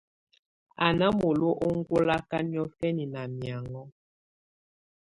Á ná molo ɔŋgɔlaka niɔ̀fɛna ná miaŋɔ́.